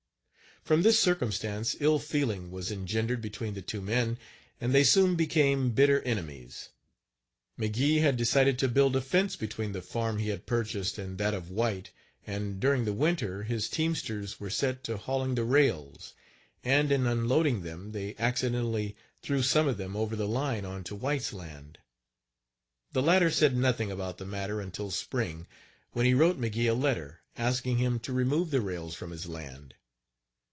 From this circumstance ill feeling was engendered between the two men, and they soon became bitter enemies. McGee had decided to build a fence between the farm he had purchased and that of White, and, during the winter, his teamsters were set to hauling the rails; and, in unloading them, they accidently threw some of them over the line on to White's land. The latter said nothing about the matter until spring, when he wrote McGee a letter, asking him to remove the rails from his land.